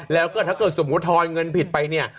แล้วก็ถ้าเกิดสมมุติทอยเงินผิดไปเนี่ย